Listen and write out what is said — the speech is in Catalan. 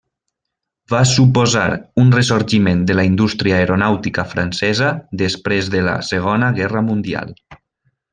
Va suposar un ressorgiment de la indústria aeronàutica francesa després de la Segona Guerra Mundial.